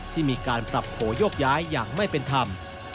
ที่มีการปรับโผล่โยกย้ายอย่างไม่เป็นธรรม